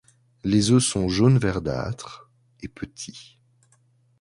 Les œufs sont jaune verdâtre et petits.